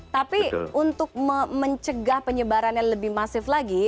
tapi untuk mencegah penyebaran yang lebih masif lagi